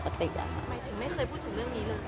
หมายถึงไม่เคยพูดถึงเรื่องนี้เลย